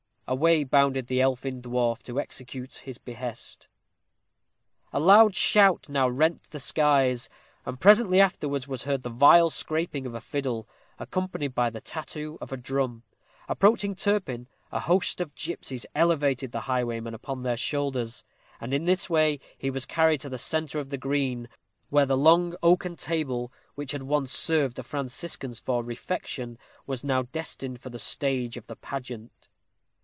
Away bounded the elfin dwarf to execute his behest. A loud shout now rent the skies, and presently afterwards was heard the vile scraping of a fiddle, accompanied by the tattoo of a drum. Approaching Turpin, a host of gipsies elevated the highwayman upon their shoulders, and in this way he was carried to the centre of the green, where the long oaken table, which had once served the Franciscans for refection, was now destined for the stage of the pageant.